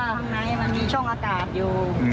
ข้างในมันมีช่องอากาศอยู่